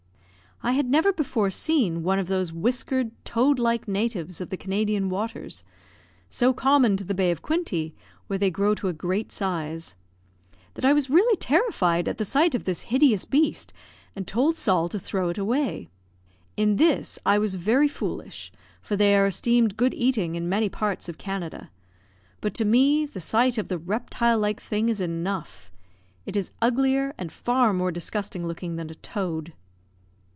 I had never before seen one of those whiskered, toad like natives of the Canadian waters (so common to the Bay of Quinte, where they grow to a great size), that I was really terrified at the sight of the hideous beast, and told Sol to throw it away. In this I was very foolish, for they are esteemed good eating in many parts of Canada; but to me, the sight of the reptile like thing is enough it is uglier, and far more disgusting looking than a toad.